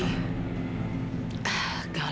gak lama lagi